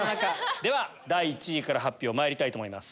では第１位から発表まいりたいと思います。